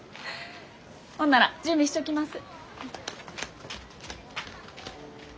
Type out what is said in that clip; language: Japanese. ほんなら準備しちょきます。